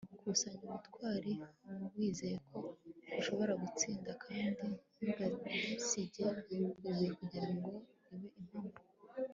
kusanya ubutwari wizere ko ushobora gutsinda kandi ntugasige ibuye kugira ngo ribe impamo